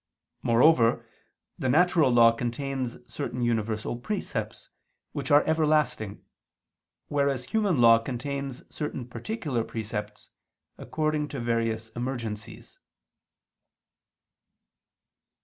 Moreover the natural law contains certain universal precepts, which are everlasting: whereas human law contains certain particular precepts, according to various emergencies.